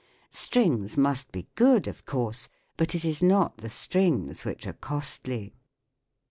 Strings must be good, of course, but it is not the strings which are costly.